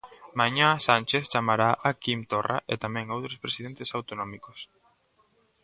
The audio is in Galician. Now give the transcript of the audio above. Mañá Sánchez chamará a Quim Torra e tamén outros presidentes autonómicos.